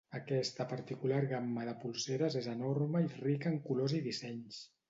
Aquesta particular gamma de polseres és enorme i rica en colors i dissenys.